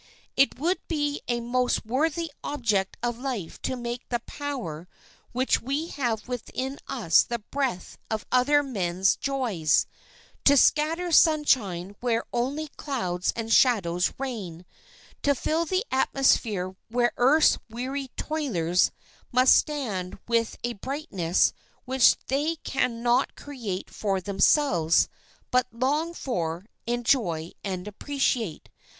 It would be a most worthy object of life to make the power which we have within us the breath of other men's joys; to scatter sunshine where only clouds and shadows reign; to fill the atmosphere where earth's weary toilers must stand with a brightness which they can not create for themselves, but long for, enjoy, and appreciate.